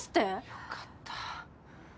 よかった。